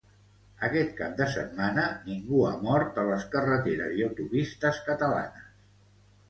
Aquest cap de setmana ningú ha mort a les carreteres i autopistes catalanes.